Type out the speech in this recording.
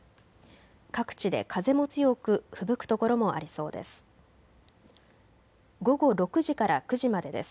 各地で風も強くふぶく所もありそうです。